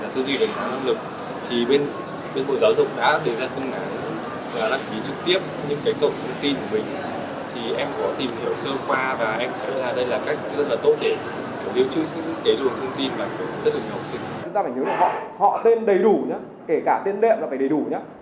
chúng ta phải nhớ là họ tên đầy đủ nhé kể cả tên đệm là phải đầy đủ nhé